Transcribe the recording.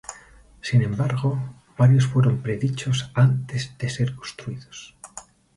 Sin embargo varios fueron predichos antes de ser construidos.